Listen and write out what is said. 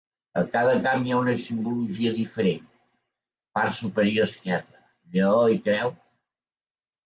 A cada camp hi ha una simbologia diferent: part superior: esquerra: lleó i creu?